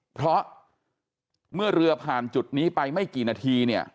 เพราะเมื่อเรือผ่านจุดนี้ไปไม่กี่นาทีเนี่ย